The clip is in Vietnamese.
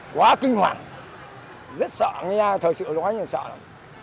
quá kinh hoàng rất sợ nghe thật sự nói thì sợ lắm